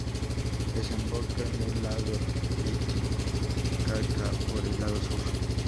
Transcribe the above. Desemboca en el lago Titicaca por el lado sur.